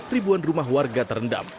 ribuan rumah warga terendam